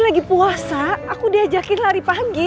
lagi puasa aku diajakin lari pagi